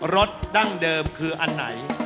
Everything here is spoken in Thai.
สดั้งเดิมคืออันไหน